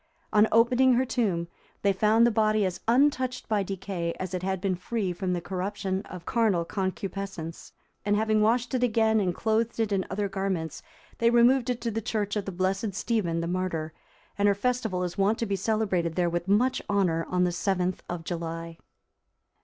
On opening her tomb, they found the body as untouched by decay as it had been free from the corruption of carnal concupiscence, and having washed it again and clothed it in other garments, they removed it to the church of the blessed Stephen, the Martyr. And her festival is wont to be celebrated there with much honour on the 7th of July.